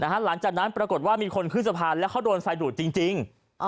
หลังจากนั้นปรากฏว่ามีคนขึ้นสะพานแล้วเขาโดนไฟดูดจริง